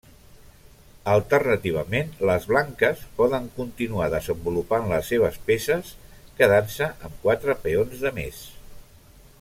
Alternativament, les blanques poden continuar desenvolupant les seves peces, quedant-se amb quatre peons de més.